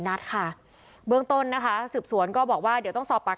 นัดค่ะเบื้องต้นนะคะสืบสวนก็บอกว่าเดี๋ยวต้องสอบปาก